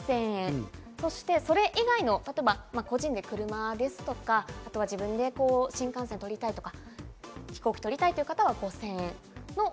そして、それ以外の、例えば個人で車ですとか、自分で新幹線を取りたいとか、飛行機取りたいという方は５０００円。